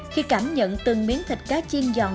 khi cảm nhận từng miếng thịt cá chiên giòn